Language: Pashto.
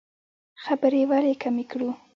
خبرې ولې کمې کړو؟